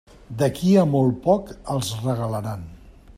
D'aquí a molt poc els regalaran.